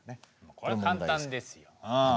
これは簡単ですようん。